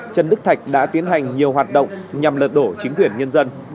trần đức thạch đã tiến hành nhiều hoạt động nhằm lật đổ chính quyền nhân dân